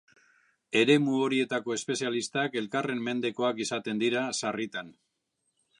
Eremu horietako espezialistak elkarren mendekoak izaten dira sarritan.